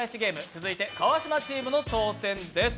続いて、川島チームの挑戦です。